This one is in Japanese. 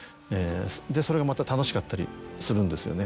でそれがまた楽しかったりするんですよね。